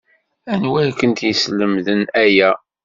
Anwa i kent-yeslemden aya?